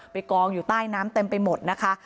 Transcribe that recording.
กองอยู่ใต้น้ำเต็มไปหมดนะคะ